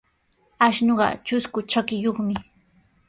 Ashnuqa trusku trakiyuqmi.